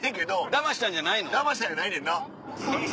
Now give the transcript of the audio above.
だましたんやないねんな。